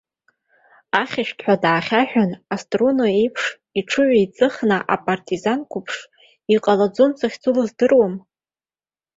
Ахьшәҭҳәа даахьаҳәын, аструна еиԥш иҽыҩеиҵихит апартизан қәыԥш, иҟалом захьӡу лыздыруам.